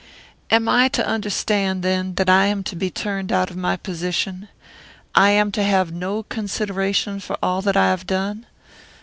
"Am I to understand, then, that I am to be turned out of my position? I am to have no consideration for all that I have done?